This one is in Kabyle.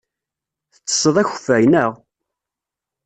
Tettesseḍ akeffay, naɣ?